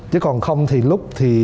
chứ còn không thì lúc thì